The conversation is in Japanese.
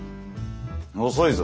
遅いぞ。